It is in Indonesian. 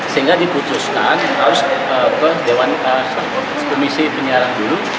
sehingga diputuskan harus ke dewan komisi penyiaran dulu